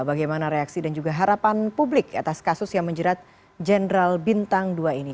bagaimana reaksi dan juga harapan publik atas kasus yang menjerat jenderal bintang dua ini